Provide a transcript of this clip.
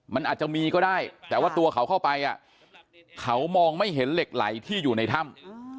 มันอาจจะมีก็ได้แต่ว่าตัวเขาเข้าไปเขามองไม่เห็นเหล็กไหลที่อยู่ในถ้ำ